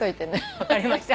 分かりました。